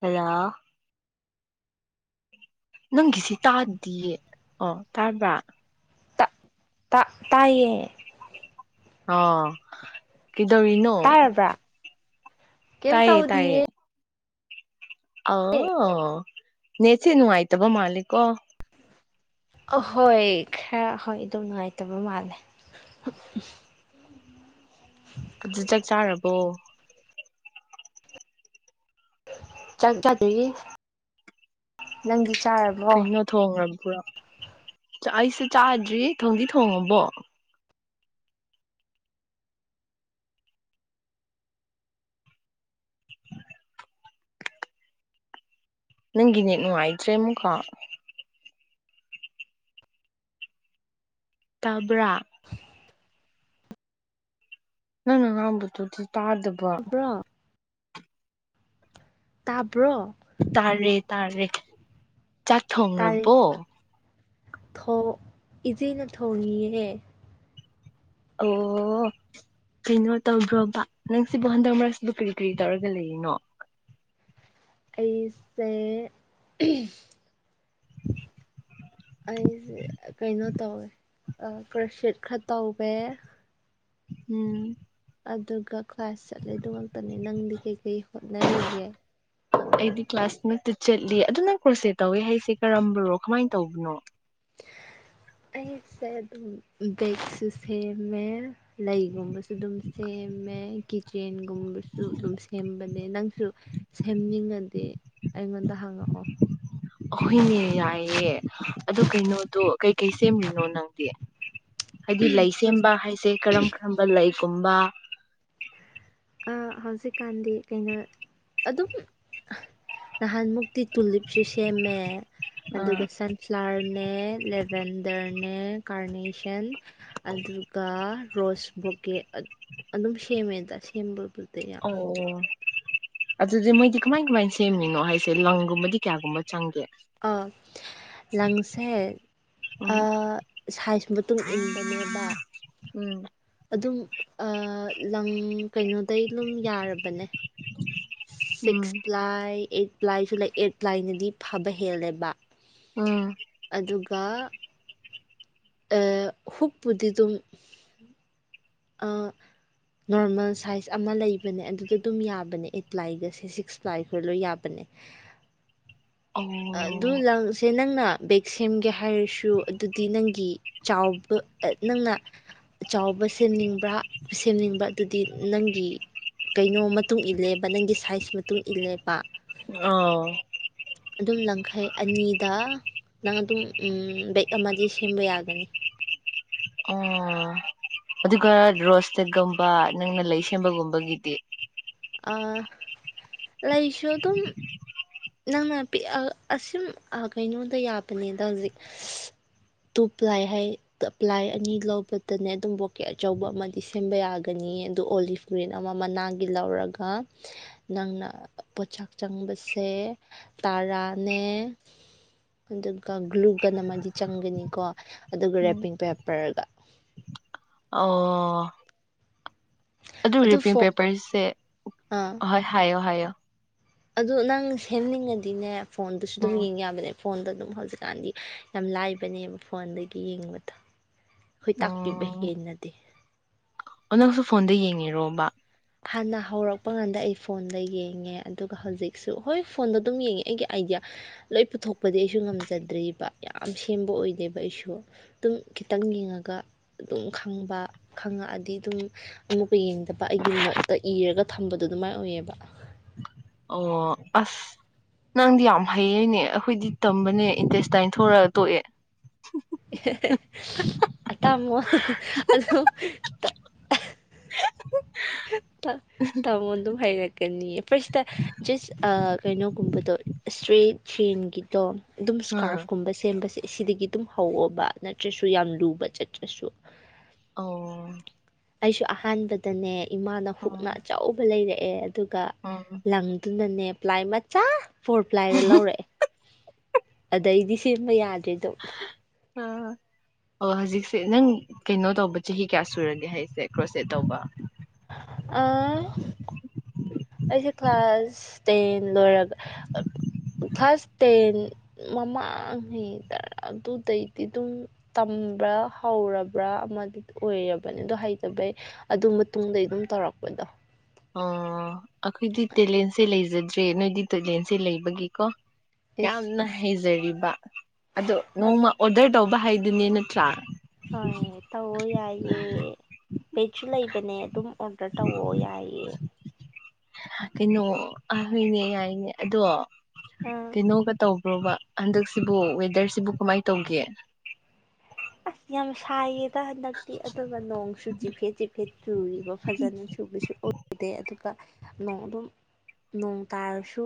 ꯍ [unintelligible] ꯅꯪꯒꯤꯁꯤ ꯇꯥꯗꯤꯌꯦ ꯑꯣ! ꯇꯥꯕ꯭ꯔꯥ? ꯇꯥ ꯇꯥ ꯇꯥꯏꯌꯦ ꯑꯣ ꯀꯗꯧꯔꯤꯅꯣ? ꯇꯥꯔꯕ꯭ꯔꯥ ꯀꯩꯝ ꯇꯥꯏꯌꯦ ꯇꯥꯏꯌꯦ ꯇꯧꯗꯤꯌꯦ ꯑꯑꯣ ꯅꯦꯠꯁꯦ ꯅꯨꯡꯉꯥꯢꯇꯕ ꯃꯥꯂꯦꯀꯣ꯫ ꯑꯍꯣꯏ ꯈꯔ ꯍꯣꯏ ꯑꯗꯨ ꯅꯨꯡꯉꯥꯏꯇꯕ ꯃꯥꯜꯂꯦ꯫ ꯑꯗꯨ ꯆꯥꯛ ꯆꯥꯔꯕꯣ? ꯆꯥꯛ ꯆꯥꯗ꯭ꯔꯤꯌꯦ꯫ꯅꯪꯗꯤ ꯀꯩꯅꯣ ꯊꯣꯡꯔꯝ ꯕ꯭ꯔꯣ? ꯑꯩꯁꯨ ꯆꯥꯗ꯭ꯔꯤ ꯊꯣꯡꯗꯤ ꯊꯣꯡꯉꯕꯣ? ꯅꯪꯒꯤ ꯅꯦꯇ ꯅꯨꯡꯉꯥꯏꯇ꯭ꯔꯦ ꯑꯃꯨꯛꯀ꯫ ꯇꯕ꯭ꯔꯥ? [inaudible] ꯅꯪꯅ ꯉꯥꯡꯕꯗꯨꯗꯤ ꯇꯥꯗꯕ꯫ ꯇꯥꯕ꯭ꯔꯣ ꯇꯥꯕ ꯇꯥꯔꯦ ꯇꯥꯔꯦ ꯆꯥꯛ ꯊꯣꯡꯔꯕꯣ? ꯊꯣꯡ ꯢꯆꯦꯅ ꯊꯣꯡꯉꯤꯌꯦ꯫ ꯑꯣ ꯀꯩꯅꯣ ꯇꯧꯕ꯭ꯔꯣꯕ ꯅꯪꯁꯤꯕꯨ ꯍꯟꯗꯛ ꯃꯔꯛꯁꯤꯕꯨ ꯀꯔꯤ ꯀꯔꯤ ꯇꯧꯔꯒ ꯂꯩꯔꯤꯅꯣ? ꯑꯩꯁꯦ ꯑꯩꯁꯦ ꯀꯩꯅꯣ ꯇꯧꯋꯦ ꯀ꯭ꯔꯣꯁꯦꯠ ꯈꯔ ꯇꯧꯋꯦ ꯎꯝ ꯑꯗꯨꯒ ꯀ꯭ꯂꯥꯁ ꯆꯠꯂꯦ ꯑꯗꯨ ꯉꯛꯇꯅꯦ꯫ ꯅꯪꯗꯤ ꯀꯩ ꯀꯩ ꯍꯣꯠꯅꯔꯤꯒꯦ? ꯑꯩꯗꯤ ꯀ꯭ꯂꯥꯁ ꯃꯛꯇ ꯆꯠꯂꯤ ꯫ ꯑꯗꯨ ꯅꯪ ꯀ꯭ꯔꯣꯁꯦꯠ ꯇꯧꯋꯦ ꯍꯥꯏꯁꯦ ꯀꯔꯝꯕꯔꯣ ꯀꯃꯥꯏꯅ ꯇꯧꯕꯅꯣ? ꯑꯩꯁꯦ ꯑꯗꯨꯝ ꯕꯒꯁꯨ ꯁꯦꯝꯃꯦ, ꯂꯩꯒꯨꯝꯕꯁꯨ ꯑꯗꯨꯝ ꯁꯦꯝꯃꯦ, ꯀꯤꯠꯆꯦꯟꯒꯨꯝꯕꯁꯨ ꯑꯗꯨꯝ ꯁꯦꯝꯕꯅꯦ ꯅꯪꯁꯨ ꯁꯦꯝꯅꯤꯡꯉꯗꯤ ꯑꯩꯉꯣꯟꯗ ꯍꯪꯉꯛꯑꯣ ꯑꯍꯣꯏꯅꯦ ꯌꯥꯏꯌꯦ ꯑꯗꯨ ꯀꯩꯅꯣꯗꯨ ꯀꯩ ꯀꯩ ꯁꯦꯝ꯭ꯔꯤꯅꯣ ꯅꯪꯗꯤ ꯍꯥꯏꯗꯤ ꯂꯩ ꯁꯦꯝꯦꯝꯕ ꯍꯥꯏꯁꯦ ꯀꯔꯝ ꯀꯔꯝꯕ ꯂꯩ ꯀꯨꯝꯝꯕ ꯍꯧꯖꯤꯛꯀꯥꯟꯗꯤ ꯀꯩꯅꯣ ꯑꯗꯨꯝ ꯅꯍꯥꯟꯃꯨꯛꯇꯤ ꯇꯨꯂꯤꯞ ꯁꯨ ꯁꯦꯝꯃꯦ ꯑꯥ ꯑꯗꯨꯒ ꯁꯟꯐ꯭ꯂꯥꯋꯔ ꯅꯦ ꯂꯦꯕꯦꯟꯗꯔ ꯅꯦ ꯀꯥꯔꯅꯦꯁꯟ ꯑꯗꯨꯒ ꯔꯣꯁ ꯕꯣꯀꯦ ꯑꯗꯨꯝ ꯁꯦꯝꯃꯦ ꯇꯥ [unintelligible] ꯑꯣ ꯑꯗꯨꯗꯤ ꯃꯣꯏꯗꯤ ꯀꯃꯥꯏ ꯀꯃꯥꯏ ꯁꯦꯝꯃꯤꯅꯣ ꯍꯥꯏꯁꯦ ꯂꯪꯒꯨꯝꯕꯗꯤ ꯀꯌꯥꯒꯨꯝꯕ ꯆꯪꯒꯦ ꯑꯥ ꯂꯪꯁꯦ ꯎꯝ [unintelligible] ꯁꯥꯏꯖ ꯃꯇꯨꯡ ꯏꯟꯕꯅꯦꯕ ꯎꯝ ꯑꯗꯨꯝ ꯑꯥ ꯂꯪ ꯀꯩꯅꯣꯗꯩ ꯑꯗꯨꯝ ꯌꯥꯔꯕꯅꯦ ꯎꯝ ꯁꯤꯛꯁ ꯄ꯭ꯂꯥꯏ ꯑꯩꯠ ꯄ꯭ꯂꯥꯏꯁꯨ ꯂꯩ ꯑꯥꯗ ꯞꯂꯥꯏꯟꯗꯤ ꯐꯕ ꯍꯦꯜꯂꯦꯕ ꯑꯥ ꯀꯥ ꯍꯨꯛꯄꯨꯗꯤ ꯑꯗꯨꯝ ꯅꯣꯔꯃꯦꯜ ꯁꯥꯏꯖ ꯑꯃ ꯂꯩꯕꯅꯦ ꯑꯗꯨꯗ ꯑꯗꯨꯝ ꯌꯥꯕꯅꯦ ꯑꯩꯠ ꯄ꯭ꯂꯥꯏꯒꯁꯦ ꯁꯤꯛꯁ ꯄ꯭ꯂꯥꯏ ꯈꯣꯏ ꯂꯣꯏ ꯌꯥꯕꯅꯦ ꯎꯝ ꯑꯗꯨ ꯂꯪꯁꯦ ꯅꯪꯅ ꯕꯦꯛ ꯁꯦꯝꯒꯦ ꯍꯥꯏꯔꯁꯨ ꯑꯗꯨꯗꯤ ꯅꯪꯒꯤ ꯆꯥꯎꯕ ꯅꯪꯅ ꯆꯥꯎꯕ ꯁꯦꯝꯅꯤꯡꯕ꯭ꯔꯥ ꯁꯦꯝꯅꯤꯡꯕ ꯑꯗꯨꯗꯤ ꯅꯪꯒꯤ ꯀꯩꯅꯣ ꯃꯇꯨꯡ ꯏꯜꯂꯦꯕ ꯅꯪꯒꯤ ꯁꯥꯏꯖ ꯃꯇꯨꯡ ꯏꯜꯂꯦꯕ ꯑ ꯑꯗꯨꯝ ꯌꯥꯡꯈꯩ ꯑꯅꯤꯗ ꯅꯪ ꯑꯗꯨꯝ ꯕꯦꯛ ꯑꯃꯗꯤ ꯁꯦꯝꯕ ꯌꯥꯒꯅꯤ ꯎ ꯑꯗꯨꯒ ꯔꯣꯁꯇꯦꯠꯀꯨꯝꯕ ꯅꯪꯅ ꯂꯩ ꯁꯦꯝꯕꯒꯨꯝꯕꯒꯤꯗꯤ ꯑ ꯂꯩꯥꯏꯁꯨ ꯑꯗꯨꯝ ꯅꯪꯅ ꯄ ꯑꯁꯨꯝ ꯀꯩꯅꯣꯗ ꯌꯥꯕꯅꯤꯗ ꯍꯧꯖꯤꯛ ꯇꯨ ꯄ꯭ꯂꯥꯏ ꯍꯥꯏ ꯄ꯭ꯂꯥꯏ ꯑꯅꯤ ꯂꯧꯕꯗꯅꯦ ꯑꯗꯨꯝ ꯕꯣꯀꯦꯠ ꯑꯆꯧꯕ ꯑꯃꯗꯤ ꯁꯦꯝꯕ ꯌꯥꯒꯅꯤ ꯑꯗꯨ ꯑꯣꯂꯤꯐ ꯒ꯭ꯔꯤꯟ ꯑꯃ ꯃꯅꯥꯒꯤ ꯂꯧꯔꯒ ꯅꯪꯅ ꯄꯣꯠꯆꯥꯛ ꯆꯪꯕꯁꯦ ꯁꯦ ꯇꯔꯥꯅꯦ ꯑꯗꯨꯒ ꯒ꯭ꯂꯨꯒꯟ ꯑꯃꯗꯤ ꯆꯪꯒꯅꯤꯀꯣ ꯑꯗꯨꯒ ꯎꯝ ꯔꯦꯄꯤꯡ ꯄꯦꯄꯔꯒ ꯑꯣ ꯑꯗꯨ ꯔꯤꯄꯤꯡ ꯄꯦꯄꯔꯁꯦ ꯑꯥ ꯍꯣꯏ ꯍꯥꯏꯌꯣ ꯍꯥꯏꯌꯣ ꯑꯗꯨ ꯅꯪ ꯁꯦꯝꯅꯤꯡꯉꯗꯤꯅꯦ ꯐꯣꯟꯗꯨꯁꯨ ꯑꯗꯨꯝ ꯎꯝ ꯌꯦꯉ ꯌꯥꯕꯅꯦ ꯐꯣꯟꯗ ꯑꯗꯨꯝ ꯍꯧꯖꯤꯛꯀꯥꯟꯗꯤ ꯌꯥꯝ ꯂꯥꯏꯕꯅꯦꯕ ꯐꯣꯟꯗꯒꯤ ꯌꯦꯡꯕꯗꯨ ꯍꯣꯏ ꯇꯥꯛꯄꯤꯕ ꯎꯝ ꯍꯦꯟꯅꯗꯦ ꯑꯣ ꯅꯪꯁꯨ ꯐꯣꯟꯗ ꯌꯦꯡꯉꯤꯔꯣꯕ ꯍꯥꯟꯅ ꯍꯧꯔꯛꯄ ꯀꯥꯟꯗ ꯑꯩ ꯐꯣꯟꯗ ꯌꯦꯡꯉꯦ ꯑꯗꯨꯒ ꯍꯧꯖꯤꯛꯁꯨ ꯍꯣꯏ ꯐꯣꯟꯗ ꯑꯗꯨꯝ ꯌꯦꯡꯉꯦ ꯑꯩꯒꯤ ꯑꯥꯏꯗꯤꯌꯥ ꯂꯣꯏ ꯄꯨꯊꯣꯛꯄꯗꯤ ꯑꯩꯁꯨ ꯉꯝꯖꯗ꯭ꯔꯤꯕꯔꯤꯕ ꯌꯥꯝ ꯁꯦꯝꯕ ꯑꯣꯏꯗꯦꯕ ꯑꯩꯁꯨ ꯑꯗꯨꯝ ꯈꯤꯇꯪ ꯌꯦꯡꯉꯒ ꯑꯗꯨꯝ ꯈꯪꯕ ꯈꯪꯉꯛꯑꯗꯤ ꯑꯗꯨꯝ ꯑꯃꯨꯛꯀ ꯌꯦꯡꯗꯕ ꯒꯤ ꯅꯣꯠꯇ ꯏꯔꯒ ꯊꯝꯕꯗꯣ ꯑꯗꯨꯃꯥꯏꯅ ꯑꯣꯏꯌꯦꯕ ꯑꯣ ꯑꯁ ꯅꯪꯗꯤ ꯌꯥꯝ ꯍꯩꯌꯦꯅꯦ ꯑꯩꯈꯣꯏꯗꯤ ꯇꯝꯕꯅꯦ ꯏꯟꯇꯦꯁꯇꯥꯏꯟ ꯊꯣꯔꯛꯑ ꯇꯣꯛꯑꯦ ꯇꯥꯃꯣ ꯑꯗꯣ ꯍ [unintelligible] ꯇꯃꯣ ꯑꯗꯨ ꯍꯥꯏꯔꯥꯛ ꯀꯅꯤ ꯐꯥꯔꯁꯇ ꯖꯁ ꯀꯩꯅꯣꯒꯨꯝꯕꯗꯣ ꯑ ꯊꯔ꯭ꯤ ꯁꯦꯟꯒꯤꯗꯣ ꯑꯗꯨꯝ ꯎꯝ ꯁꯀꯥꯔꯐꯀꯨꯝꯕ ꯁꯦꯝꯕꯁꯦ ꯁꯤꯗꯒꯤ ꯑꯗꯨꯝ ꯍꯧꯑꯕ ꯅꯠꯇ꯭ꯔꯁꯨ ꯌꯥꯝ ꯂꯨꯕ ꯆꯠꯇ꯭ꯔꯁꯨ ꯑꯣ ꯑꯩꯁꯨ ꯑꯍꯥꯟꯕꯗꯅꯦ ꯏꯃꯥꯅ ꯎꯝ ꯍꯨꯛꯅ ꯑꯆꯕ ꯂꯩꯔꯦ ꯑꯦ ꯑꯗꯨꯒ ꯎꯝ ꯂꯪꯗꯨꯅꯅꯦ ꯂꯥꯏ ꯃꯆꯥ ꯐꯣꯔ ꯄ꯭ꯂꯥꯏꯗ ꯂꯧꯔꯛꯑꯦ ꯑꯗ ꯑꯩꯗꯤ ꯁꯤꯃ ꯌꯥꯗꯦ [unintelligible] ꯑꯥ ꯑꯣ ꯍꯧꯖꯤꯛꯁꯦ ꯅꯪ ꯀꯩꯅꯣ ꯇꯧꯕ ꯆꯍꯤ ꯀꯌꯥ ꯁꯨꯔꯒꯦ ꯍꯥꯏꯁꯦ ꯀ꯭ꯔꯣꯁ ꯁꯦꯠ ꯇꯧꯕ ꯑ ꯑꯩꯁꯦ ꯀ꯭ꯂꯥꯁ ꯇꯦꯟ ꯂꯣꯏꯔꯒ ꯀ꯭ꯂꯥꯁ ꯇꯦꯟ ꯃꯃꯥꯡꯉꯩꯗꯔꯥ ꯑꯗꯨꯗꯩꯗꯤ ꯑꯗꯨꯝ ꯇꯝꯕ꯭ꯔꯥ ꯍꯧꯔꯕ꯭ꯔꯥ ꯑꯃꯗꯤ ꯑꯣꯏꯔꯕꯅꯤ ꯑꯗꯣ ꯍꯩꯇꯕꯩ ꯑꯗꯨ ꯃꯇꯨꯡꯗꯩ ꯑꯗꯨꯝ ꯇꯧꯔꯛꯄꯗꯣ ꯑꯣ ꯑꯩꯈꯣꯏꯗꯤ ꯇꯦꯂꯦꯟꯁꯦ ꯂꯩꯖꯗ꯭ꯔꯦ ꯅꯣꯏꯗꯤ ꯇꯦꯂꯦꯟꯁꯦ ꯂꯩꯕꯒꯤꯀꯣ ꯏꯁ ꯌꯥꯝꯅ ꯍꯖꯔꯤ ꯑꯗ ꯅꯣꯡꯃ ꯑꯣꯗ ꯀ ꯇꯥꯎ ꯍꯥꯏꯥꯏꯗꯨꯅꯤ ꯅꯠꯇ꯭ꯔꯥ ꯍꯣꯏ ꯍꯣꯏ ꯇꯑꯣ ꯌꯥꯏꯌꯦꯦ ꯂꯩꯁꯨ ꯂꯩꯕꯅꯦ ꯑꯗꯨꯝ ꯑꯣꯗꯔ ꯇꯋ ꯌꯥꯏꯑꯌꯦ ꯀꯩꯅꯣ ꯑ ꯍꯣꯏꯅꯦ ꯌꯥꯏꯅꯦ ꯑꯗꯣ ꯑꯥ ꯀꯩꯅꯣꯒ ꯇꯧꯕ꯭ꯔꯣꯕ ꯍꯟꯗꯛꯁꯤꯕꯨ ꯋꯦꯗꯔꯁꯤꯕꯨ ꯀꯃꯥꯏ ꯇꯧꯒꯦ ꯑꯁ ꯌꯥꯝ ꯁꯥꯏꯌꯦꯗ ꯍꯟꯗꯛꯇꯤ ꯑꯗꯨꯒ ꯅꯣꯡꯁꯨ ꯆꯤꯐꯦꯠ ꯆꯤꯛꯐꯦꯠ ꯆꯨꯔꯤꯕ ꯐꯖꯅ ꯆꯨꯕꯁꯨ ꯑꯣꯏꯗꯦ ꯑꯗꯨꯒ ꯅꯣꯡ ꯑꯗꯨꯝ ꯅꯣꯡ ꯇꯥꯔꯁꯨ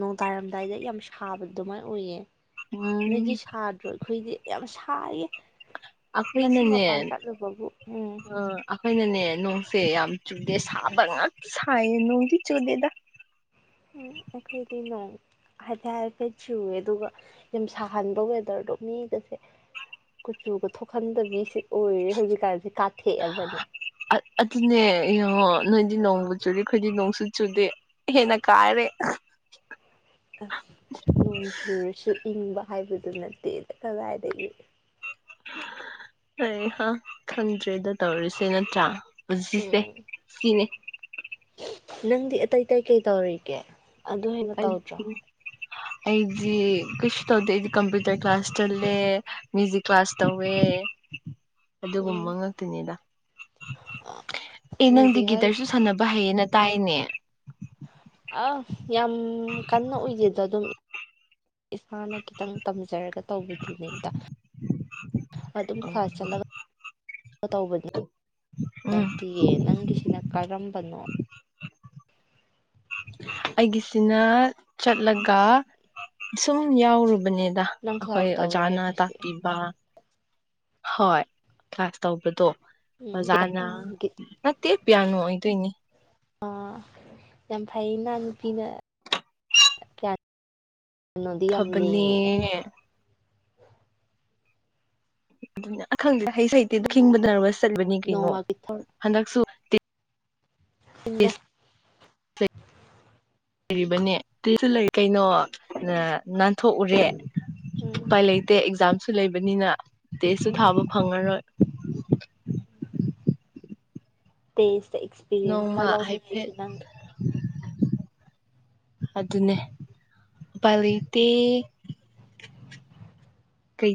ꯅꯣꯡ ꯇꯥꯔꯝꯗꯥꯏꯗ ꯌꯥꯝ ꯁꯥꯕ ꯑꯗꯨꯃꯥꯏꯅ ꯑꯣꯏꯌꯦ ꯎꯝ ꯅꯒꯤ ꯁꯥꯗ ꯔꯣ ꯑꯩꯈꯣꯏꯗꯤ ꯌꯥꯝ ꯁ ꯈꯦꯏ ꯉꯁꯤ ꯑꯩꯈꯣꯏꯅꯅꯦ ꯃꯄꯥꯟ ꯆꯠꯂꯣ ꯕꯨ ꯎꯝ ꯍꯣꯏꯅꯅꯦ ꯅꯣꯡꯁꯦ ꯌꯥꯝ ꯆꯨꯗꯦ ꯁꯥꯕ ꯉꯥꯛꯇ ꯁꯥꯏꯌꯦ ꯅꯣꯡꯗꯤ ꯆꯨꯗꯦꯗ ꯎꯝ ꯑꯩꯈꯣꯏꯗꯤ ꯅꯣꯡ ꯍꯥꯏꯐꯦꯠ ꯍꯥꯏꯐꯦꯠ ꯆꯨꯋꯦ ꯑꯗꯨꯒ ꯌꯥꯝ ꯁꯥꯍꯟꯕ ꯋꯦꯗꯔꯗꯣ ꯃꯤꯒꯁꯦ ꯀꯨꯆꯨꯒ ꯊꯣꯛꯍꯟꯗꯕꯤꯁꯦ ꯑꯣꯏꯔꯦ ꯍꯧꯖꯤꯛꯀꯥꯟꯁꯦ ꯀꯥꯊꯦꯛꯑꯕꯅꯦ ꯑꯗꯨ ꯑꯗꯨꯅꯦ ꯌꯣ ꯅꯣꯏꯗꯤ ꯅꯣꯡꯃ ꯆꯨꯔꯤꯦ ꯑꯩꯈꯣꯏꯗꯤ ꯅꯣꯡꯁꯨ ꯆꯨꯗꯦ ꯍꯦꯟꯅ ꯀꯥꯏꯔꯦ ꯑꯁ ꯅꯣꯡ ꯁꯨꯔꯁꯨ ꯏꯪꯕ ꯍꯥꯏꯕꯗꯨ ꯅꯠꯇꯦ ꯑꯗꯥꯏ ꯑꯩ ꯈꯪꯗ꯭ꯔꯦꯗ ꯇꯧꯔꯤꯁꯦ ꯅꯠꯇ꯭ꯔꯥ ꯄꯨꯖꯤꯁꯦ ꯎꯝ ꯁꯤꯅꯦ ꯅꯪꯗꯤ ꯑꯇꯩ ꯀꯩ ꯀꯩ ꯇꯧꯔꯤꯒꯦ ꯑꯗꯨ ꯍꯅꯥ ꯇꯧꯗ꯭ꯔꯣ ꯑꯩꯗꯤ ꯑꯩꯗꯤ ꯀꯩꯁꯨ ꯇꯧꯗꯦ ꯑꯩꯗꯤ ꯀꯝꯄ꯭ꯌꯨꯇꯔ ꯀ꯭ꯂꯥꯁ ꯆꯜꯂꯦ ꯃ꯭ꯌꯨꯖꯤꯛ ꯀ꯭ꯂꯥꯁ ꯇꯧꯋꯦ ꯎꯝ ꯑꯗꯨꯒꯨꯝꯕ ꯉꯥꯛꯇꯅꯤꯗ ꯑꯦ ꯅꯪꯗꯤ ꯃꯤꯁꯤ ꯒꯤꯇꯔꯁꯨ ꯍꯥꯏꯁ ꯁꯥꯟꯅꯕ ꯍꯩꯌꯦ ꯅꯠ ꯇꯥꯌꯦꯅꯦ ꯑꯪ ꯌꯥꯝ ꯀꯟꯅ ꯎꯖꯤꯟꯗ ꯗꯨꯝ ꯏꯁꯥꯅ ꯈꯤꯇꯪ ꯇꯝꯖꯔꯒ ꯇꯧꯕꯗꯨꯏꯗꯩꯩꯗ ꯑꯗꯨꯝ ꯎꯝ ꯈꯥꯖꯂꯒ ꯑꯇꯧꯕꯗꯤ ꯎꯝ ꯃꯇꯦꯌꯦ ꯅꯪꯒꯤ ꯁꯤꯅ ꯀꯔꯝꯕꯅꯣ ꯑꯩꯒꯤꯁꯤꯅ ꯆꯠꯂꯒ ꯁꯨꯝ ꯌꯥꯎꯔꯨꯕ ꯕꯥꯅꯦꯗ ꯅꯪ ꯑꯩꯈꯣꯏ ꯀ꯭ꯂꯥꯁ ꯇꯧꯋꯦ ꯑꯣꯖꯥꯅ ꯍꯥꯏꯕꯁꯤ ꯇꯥꯛꯄꯤꯕ ꯍꯣꯏ ꯀ꯭ꯂꯥꯁ ꯇꯧꯕꯗꯣ ꯎꯝ ꯑꯣꯖꯅ ꯅꯇꯦ ꯄꯤꯌꯥꯅ ꯑꯣꯏꯗꯏꯅꯤ ꯑꯥ ꯌꯥꯝ ꯐꯩ ꯏꯅꯥ ꯅꯨꯄꯤꯅ ꯀꯌꯥ ꯐꯕꯅꯦ ꯑꯗꯨꯅ ꯑꯈꯪꯗꯦꯗ ꯍꯩ ꯁꯨ ꯍꯩꯇꯦꯗꯥ ꯎꯝ ꯈꯤꯕꯗꯥ ꯅꯔꯕꯁ ꯆꯠꯄꯅꯤ ꯀꯩꯅꯣ ꯅꯣꯡꯃꯒꯤ ꯍꯟꯗꯛꯁꯨ [inaudible] ꯏꯟꯅꯦ ꯏꯕꯅꯦ ꯇ꯭ꯔꯦꯁꯨꯂꯦ ꯀꯩꯅꯣ ꯅ ꯅꯥꯟ ꯊꯣꯛꯎꯔꯦ ꯎꯝ ꯎꯄꯥꯏ ꯂꯩꯇꯦ ꯑꯦꯛꯖꯥꯝꯁꯨ ꯂꯩꯕꯅꯤꯅ ꯇꯦꯁꯨ ꯎꯝ ꯊꯥꯕ ꯐꯪꯉꯔꯣꯏ ꯇꯦꯁ ꯑꯦꯛꯁꯄꯤꯔꯤꯌꯦꯟꯁ ꯅꯣꯡꯃ ꯈꯔ ꯂꯧ ꯒꯦ ꯑꯩꯁꯨ ꯍꯥꯏꯐꯦꯠ ꯊꯪ ꯑꯗꯨꯅꯦ ꯎꯄꯥꯏꯂꯩꯇꯦ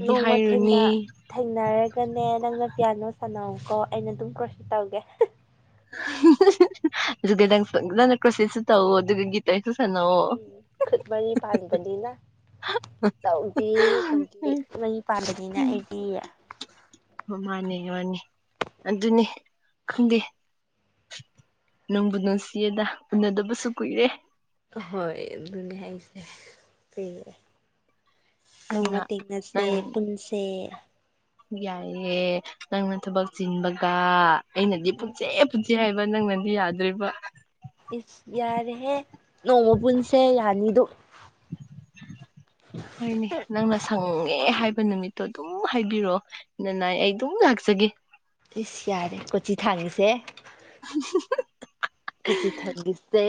ꯅꯣꯡꯃ ꯊꯦꯡꯅ ꯊꯦꯡꯅꯔꯒꯅꯦ ꯅꯪꯅ ꯄꯤꯌꯥꯅꯣ ꯁꯥꯟꯅꯧ ꯑꯣ ꯑꯩꯅ ꯑꯗꯨꯝ ꯀ꯭ꯔꯣꯁ ꯇꯧꯒꯦ ꯑꯗꯨꯒ ꯅꯪ ꯐꯖꯅ ꯀ꯭ꯔꯣꯁꯦꯁꯁꯨ ꯇꯧꯑꯣ ꯑꯗꯨꯒ ꯒꯤꯇꯔ ꯎꯝ ꯈꯨꯠ ꯃꯔꯤ ꯄꯥꯟꯕꯅꯤꯅ ꯇꯧꯗꯦ ꯇꯧꯗꯦ ꯎꯝ ꯈꯨꯠ ꯃꯔꯤ ꯄꯥꯟꯕꯅꯤꯅ ꯎꯝ ꯑꯩꯗꯤ ꯃꯥꯅꯦ ꯃꯥꯅꯦ ꯑꯗꯨꯅꯤ ꯈꯪꯗꯦ ꯅꯨꯡꯕꯨ ꯅꯨꯡꯁꯤꯌꯦꯗ ꯎꯅꯗꯕꯁꯨ ꯀꯨꯏꯔꯦ ꯍꯣꯏ ꯑꯗꯨꯅꯦ ꯍꯥꯏꯁꯦ ꯁꯤ ꯅꯣꯡꯃ ꯅꯪꯅ ꯇꯦꯛꯅꯁꯦ ꯄꯨꯟꯁꯦ ꯌꯥꯏꯑꯦ ꯅꯪꯅ ꯊꯕꯛ ꯆꯤꯟꯕꯒ ꯑꯩꯅꯗꯤ ꯄꯨꯟꯁꯦ ꯄꯨꯟꯁꯦ ꯍꯥꯏ ꯅꯪꯅꯗꯤ ꯌꯥꯎꯗ꯭ꯔꯤꯕ ꯏꯁ ꯌꯥꯔꯦꯍꯦ ꯅꯣꯡꯃ ꯄꯨꯟꯁꯦ ꯌꯥꯅꯤꯗꯨ [unintelligible] ꯍꯣꯏꯅꯦ ꯅꯪꯅ ꯁꯪꯉꯦ ꯍꯥꯏꯕ ꯅꯨꯃꯤꯠꯇꯣ ꯑꯗꯨꯝ ꯍꯥꯏꯕꯤꯔꯛꯑꯣ ꯅꯅꯥꯏ ꯑꯩ ꯑꯗꯨꯝ ꯂꯥꯛꯆꯒꯦ ꯏꯁ ꯌꯥꯔꯦ ꯀꯣꯆꯤ ꯊꯥꯡꯉꯤꯁꯦ ꯈꯖꯤ ꯊꯝꯕꯤꯁꯦ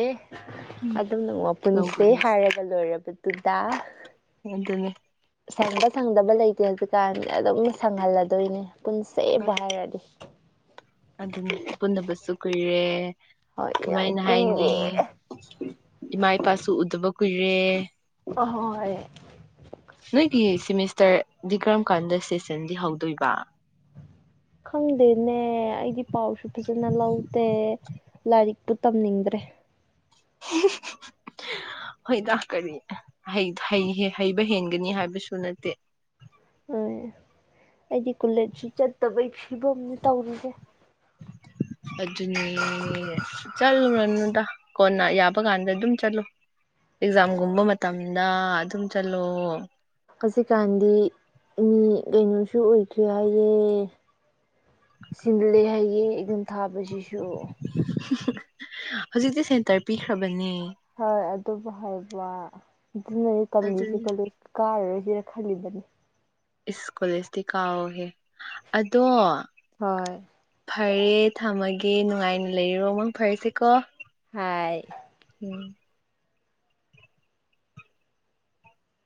ꯎꯝ ꯑꯗꯨꯝ ꯅꯣꯡꯃ ꯅꯣꯡꯕꯨ ꯄꯨꯟꯁꯦ ꯅꯨꯡꯁꯤ ꯍꯥꯏꯔꯒ ꯂꯣꯏꯔꯗꯣ ꯑꯗꯨꯗꯥ ꯑꯗꯨꯅꯦ ꯁꯪꯕ ꯁꯪꯗꯕ ꯂꯩꯇꯦ ꯍꯧꯖꯤꯛꯀꯥꯟꯗꯤ ꯑꯗꯨꯝ ꯁꯪꯍꯜꯂꯗꯣꯏꯅꯦ ꯄꯨꯟꯁꯦꯕꯨ ꯍꯥꯏꯔꯗꯤ ꯑꯗꯨꯅꯦ ꯄꯨꯟꯗꯕꯁꯨ ꯀꯨꯏꯔꯦ ꯍꯣꯏ ꯌꯥꯝ ꯀꯃꯥꯏꯅ ꯍꯥꯏꯅꯤ ꯀꯨꯏꯔꯦ ꯏꯃꯥ ꯏꯄꯥꯁꯨ ꯎꯗꯕ ꯀꯨꯏꯔꯦ ꯑꯍꯣꯏ ꯅꯣꯏꯒꯤ ꯁꯦꯃꯤꯁꯇꯔꯗꯤ ꯀ꯭ꯔꯝꯀꯥꯟꯗ ꯁꯦꯁꯟꯗꯤ ꯍꯧꯗꯣꯏꯕ ꯈꯪꯗꯦꯅꯦ ꯑꯩꯗꯤ ꯂꯥꯏꯔꯤꯛꯇꯨ ꯇꯝꯅꯤꯡꯗ꯭ꯔꯦ ꯍꯣꯏꯗ ꯀꯔꯤ ꯍꯩꯕ ꯍꯦꯟꯒꯅꯤ ꯍꯥꯏꯕꯁꯨ ꯅꯠꯇꯦ ꯎꯝ ꯑꯩꯗꯤ ꯀꯣꯂꯦꯖꯁꯨ ꯆꯠꯇꯕꯒꯤ ꯐꯤꯕꯝꯅꯤ ꯇꯧꯔꯤꯁꯦ ꯑꯗꯨꯅꯦ ꯆꯠꯂꯨꯔꯅꯨꯗ ꯀꯣꯟꯅ ꯌꯥꯕ ꯀꯥꯟꯗ ꯑꯗꯨꯝ ꯆꯠꯂꯣ ꯑꯦꯛꯖꯥꯝꯒꯨꯝꯕ ꯃꯇꯝꯗ ꯑꯗꯨꯝ ꯆꯠꯂꯣ ꯍꯧꯖꯤꯛꯀꯥꯟꯗꯤ ꯃꯤ ꯀꯩꯅꯣꯁꯨ ꯑꯣꯏꯗꯔ꯭ꯦ ꯍꯥꯏꯌꯦ ꯁꯤꯜꯂꯦ ꯍꯥꯏꯑꯦ ꯑꯗꯨꯝ ꯊꯥꯕꯁꯤꯁꯨ ꯍꯧꯖꯤꯛꯇꯤ ꯁꯦꯟꯇꯔ ꯄꯤꯈ꯭ꯔꯕꯅꯦ ꯍꯣꯏ ꯑꯗꯨꯕꯨ ꯍꯥꯏꯕ ꯑꯗꯨꯅꯅꯤ ꯇꯜꯂꯤꯁꯦ ꯑꯗꯨꯅꯤ ꯀꯣꯂꯦꯖ ꯀꯥꯔ ꯁꯤꯔꯥ ꯈꯜꯂꯤꯕꯅꯤ ꯏꯁ ꯀꯣꯂꯦꯖꯇꯤ ꯀꯥꯎꯍꯦ ꯑꯗꯣ ꯍꯣꯏ ꯐꯔꯦ ꯊꯝꯃꯒꯦ ꯅꯨꯡꯉꯥꯏꯅ ꯂꯩꯔꯣ ꯃꯪ ꯐꯔꯁꯤꯀꯣ ꯍꯥꯏ ꯎꯝ